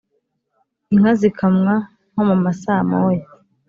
inka zikamwa (nko mu masaa moya)